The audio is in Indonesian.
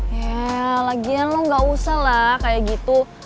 ya lagian lo gak usah lah kayak gitu